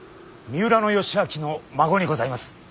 三浦義明の孫にございます。